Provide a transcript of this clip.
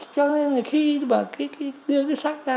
cho nên khi đưa cái sát ra